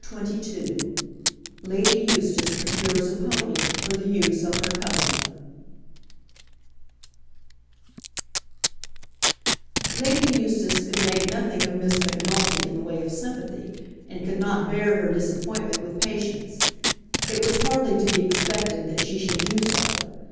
CHAPTER XXII Lady Eustace Procures a Pony for the Use of Her Cousin Lady Eustace could make nothing of Miss Macnulty in the way of sympathy, and could not bear her disappointment with patience. It was hardly to be expected that she should do so.